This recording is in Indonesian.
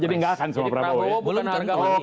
jadi prabowo bukan harga mati